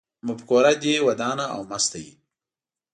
مفکوره دې ودانه او مسته وي